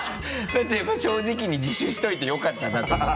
だって今正直に自首しておいてよかったなと思った。